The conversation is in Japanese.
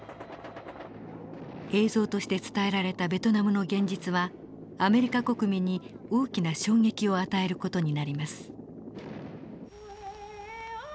映像として伝えられたベトナムの現実はアメリカ国民に大きな衝撃を与える事になります。